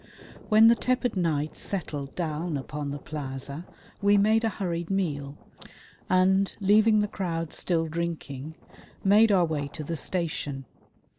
When the tepid night settled down upon the plaza, we made a hurried meal and, leaving the crowd still drinking, made our way to the station.